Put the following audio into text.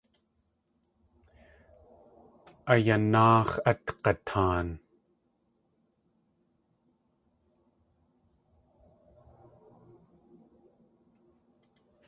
A yanáax̲ at g̲ataan!